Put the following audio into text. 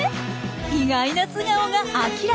意外な素顔が明らかに！